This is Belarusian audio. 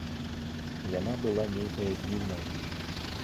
Яна была нейкая дзіўная.